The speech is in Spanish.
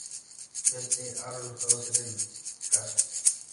Este ha resultado ser el caso.